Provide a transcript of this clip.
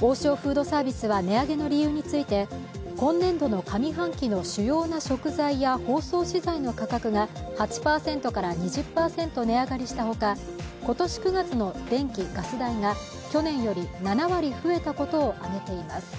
王将フードサービスは値上げの理由について今年度の上半期の主要な食材や包装資材の価格が８％から２０％値上がりした他、今年９月の電気・ガス代が去年より７割増えたことを挙げています。